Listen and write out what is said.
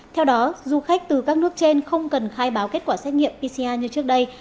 theo đó du khách từ các nước trên không cần khai báo kết quả xét nghiệm pcr như trước đây